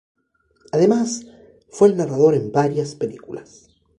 Además, fue el narrador en varias películas.